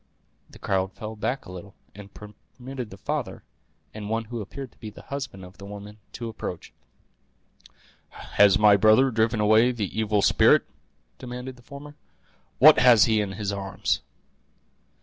The crowd fell back a little, and permitted the father, and one who appeared to be the husband of the woman, to approach. "Has my brother driven away the evil spirit?" demanded the former. "What has he in his arms?"